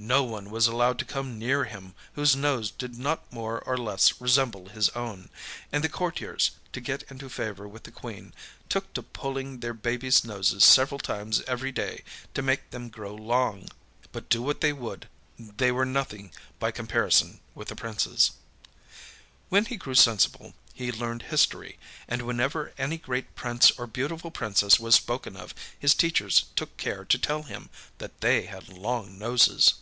No one was allowed to come near him whose nose did not more or less resemble his own, and the courtiers, to get into favor with the Queen, took to pulling their babiesâ noses several times every day to make them grow long. But, do what they would, they were nothing by comparison with the Princeâs. When he grew sensible he learned history; and whenever any great prince or beautiful princess was spoken of, his teachers took care to tell him that they had long noses.